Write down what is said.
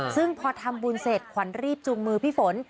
ซึ่งพอทำบุญเสร็จขวัญรีบจูงมือพี่ฝน